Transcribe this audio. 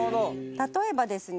例えばですね